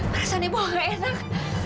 perasaan ibu nggak enak